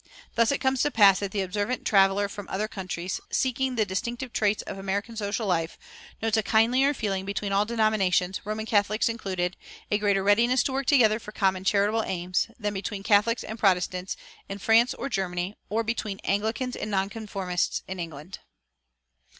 Thus it comes to pass that the observant traveler from other countries, seeking the distinctive traits of American social life, "notes a kindlier feeling between all denominations, Roman Catholics included, a greater readiness to work together for common charitable aims, than between Catholics and Protestants in France or Germany, or between Anglicans and nonconformists in England."